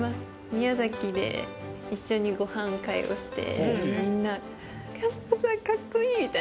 宮崎で一緒にご飯会をして。